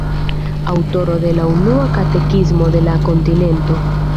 Aŭtoro de la unua katekismo de la Kontinento.